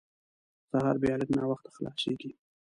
سهار بیا لږ ناوخته خلاصېږي.